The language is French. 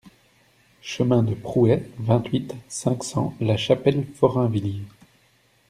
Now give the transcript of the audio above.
Chemin de Prouais, vingt-huit, cinq cents La Chapelle-Forainvilliers